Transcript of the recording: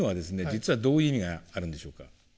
実はどういう意味があるんでしょうか。